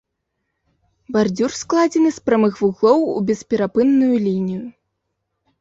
Бардзюр складзены з прамых вуглоў у бесперапынную лінію.